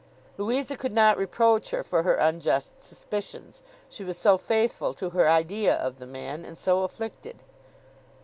Louisa could not reproach her for her unjust suspicions; she was so faithful to her idea of the man, and so afflicted.